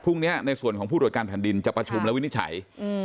ในส่วนของผู้ตรวจการแผ่นดินจะประชุมและวินิจฉัย